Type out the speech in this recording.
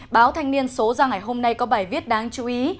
báo thanh niên số ra ngày hôm nay có bài viết đáng chú ý